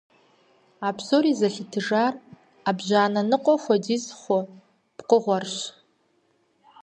А псори зэлъытэжар Ӏэбжьанэ ныкъуэ хуэдиз хъу пкъыгъуэрщ.